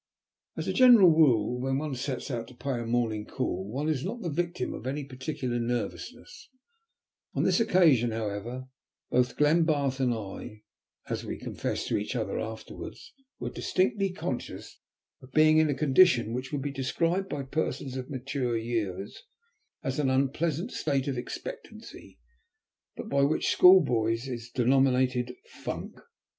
As a general rule when one sets out to pay a morning call one is not the victim of any particular nervousness; on this occasion however both Glenbarth and I, as we confessed to each other afterwards, were distinctly conscious of being in a condition which would be described by persons of mature years as an unpleasant state of expectancy, but which by school boys is denominated "funk."